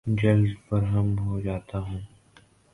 جلد برہم ہو جاتا ہوں